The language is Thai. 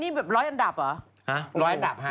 ๑๐๐นี่แบบ๑๐๐อันดับเหรอ